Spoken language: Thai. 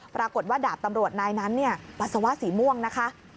ปรากฏว่าดาบตำรวจนายนั้นปัสสาวะสีม่วงนะคะ